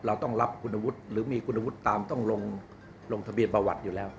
เราต้องรับคุณวุฒิหรือมีคุณวุฒิตามต้องลงทะเบียนประวัติอยู่แล้ว